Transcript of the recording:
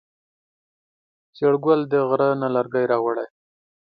زیړ ګل د غره نه لرګی راوړی.